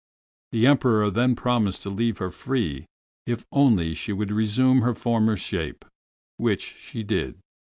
The Emperor then promised to leave her free if only she would resume her former shape, which she did.